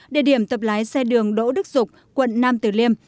địa điểm tập lái xe đường đỗ đức dục quận nam tử liêm